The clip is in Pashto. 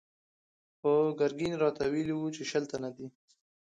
خو ګرګين راته ويلي و چې شل تنه دي.